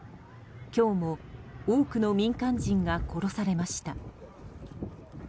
今日も多くの民間人が殺されました。